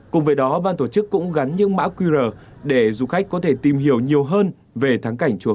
cùng với đó ban tổ chức cũng gắn những mã qr để du khách có thể tìm hiểu nhiều hơn về thắng cảnh chùa